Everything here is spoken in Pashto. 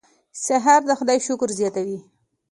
سهار د خدای شکر زیاتوي.